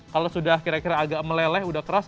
kalau sudah kira kira agak meleleh sudah keras